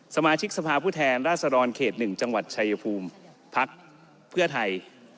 สมาชิกสภาพผู้แทนราษฎรเขต๑จังหวัดชายภูมิพักเพื่อไทย